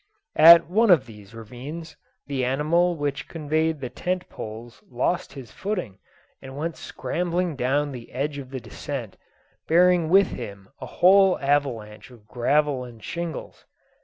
At one of these ravines, the animal which conveyed the tent poles lost his footing, and went scrambling down the edge of the descent, bearing with him a whole avalanche of gravel and shingles.